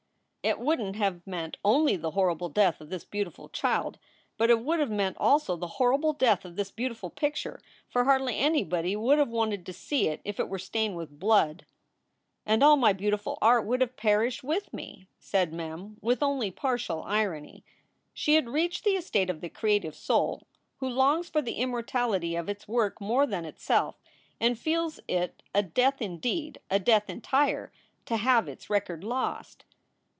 "It wouldn t have meant only the horrible death of this beautiful child, but it would have meant also the horrible death of this beautiful picture; for hardly anybody would have wanted to see it if it were stained with blood. " "And all my beautiful art would have perished with me!" said Mem, with only partial irony. She had reached the estate of the creative soul who longs for the immortality of its work more than itself, and feels it a death indeed, a death entire, to have its record lost.